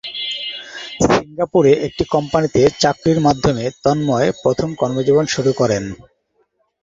সিঙ্গাপুরে একটি কোম্পানিতে চাকুরীর মাধ্যমে তন্ময় প্রথম কর্মজীবন শুরু করেন।